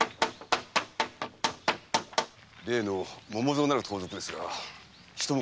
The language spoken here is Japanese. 例の「百蔵」なる盗賊ですがひと昔